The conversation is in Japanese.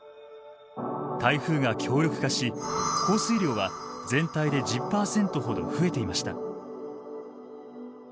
台風が強力化し降水量は全体で１０％ほど増えていました。